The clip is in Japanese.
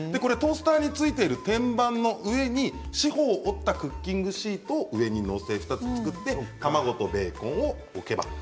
トースターについている天板の上に四方を折ったクッキングシートを上に載せて作って卵とベーコンを置けば。